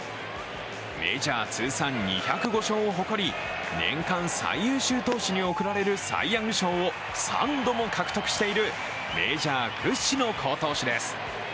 メジャー通算２０５勝を誇り年間最優秀投手に贈られるサイ・ヤング賞を３度も獲得しているメジャー屈指の好投手です。